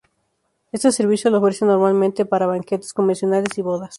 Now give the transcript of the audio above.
Este servicio lo ofrecen normalmente para banquetes, convenciones y bodas.